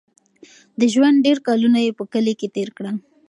د ژوند ډېر کلونه یې په کلي کې تېر کړل.